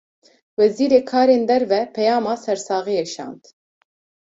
Wezîrê karên derve, peyama sersaxiyê şand